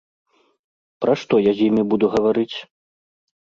Пра што я з імі буду гаварыць?